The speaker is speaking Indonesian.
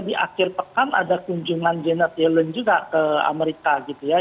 di akhir pekan ada kunjungan janet yellen juga ke amerika gitu ya